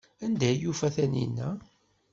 Anda ay yufa Taninna?